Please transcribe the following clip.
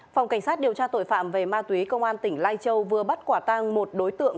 phòng cảnh sát điều tra tội phạm về ma túy công an tỉnh lai châu vừa bắt quả tang một đối tượng